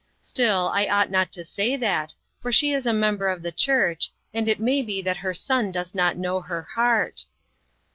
Still, I ought not to say that, for she is a member of the church, and it may be that her son does not know her heart."